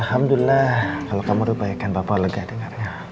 alhamdulillah kalau kamu rebaikan bapak lega dengarnya